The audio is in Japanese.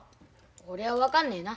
俺は分かんねえな。